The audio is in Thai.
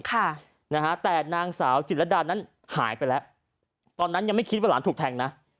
ค่ะนะฮะแต่นางสาวจิตรดานั้นหายไปแล้วตอนนั้นยังไม่คิดว่าหลานถูกแทงนะ